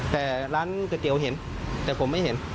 แต่ร้านก๋วยเตี๋ยวเห็นแต่ผมไม่เห็น